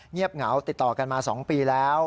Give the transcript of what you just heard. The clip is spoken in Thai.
เงียบเหงาติดต่อกันมา๒ปีแล้ว